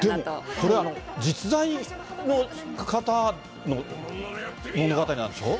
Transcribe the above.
でも、これ、実在の方の物語なんでしょ？